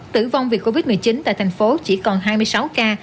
tử vong vì covid một mươi chín tại thành phố chỉ còn hai mươi sáu ca